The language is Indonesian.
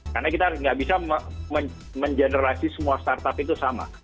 karena kita tidak bisa mengenerasi semua startup itu sama